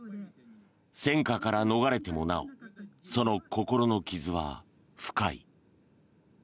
戦火から逃れてもなおその心の傷は深い。